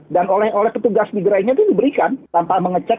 dan oleh petugas di gerainya itu diberikan tanpa mengecek